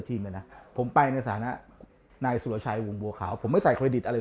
เลยนะผมไปในฐานะนายสุรชัยวงบัวขาวผมไม่ใส่เครดิตอะไร